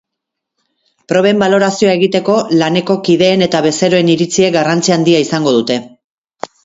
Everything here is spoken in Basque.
Proben balorazioa egiteko, laneko kideen eta bezeroen iritziek garrantzia handia izango dute.